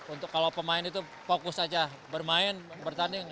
untuk kalau pemain itu fokus aja bermain bertanding